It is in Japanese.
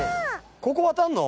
ここ渡るの？